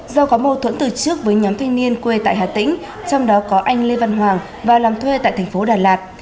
do có mâu thuẫn từ trước với nhóm thanh niên quê tại hà tĩnh trong đó có anh lê văn hoàng và làm thuê tại thành phố đà lạt